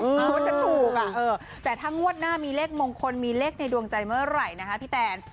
กลัวจะถูกแต่ถ้างวดหน้ามีเลขมงคลมีเลขในดวงใจเมื่อไหร่นะคะพี่แตน